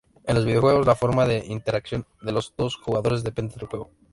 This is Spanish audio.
En los videojuegos, la forma de interacción de los dos jugadores depende del juego.